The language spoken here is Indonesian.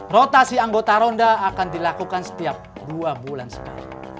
rotasi anggota ronda akan dilakukan setiap dua bulan sekali